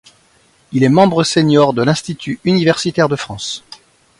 Il est membre sénior de l'Institut universitaire de France.